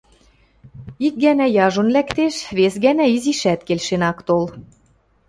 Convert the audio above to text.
Ик гӓнӓ яжон лӓктеш, вес гӓнӓ изишӓт келшен ак тол.